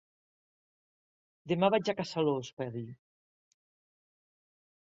Demà vaig a caçar l'os, va dir.